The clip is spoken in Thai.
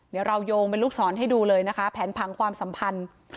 เดี๋ยวเราโยงเป็นลูกศรให้ดูเลยนะคะแผนผังความสัมพันธ์